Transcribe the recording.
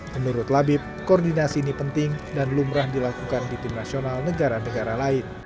menurut labib koordinasi ini penting dan lumrah dilakukan di tim nasional negara negara lain